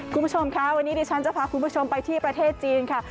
คุณผู้ชมค่ะวันนี้ดิฉันจะพาคุณผู้ชมไปที่ประเทศจีนค่ะ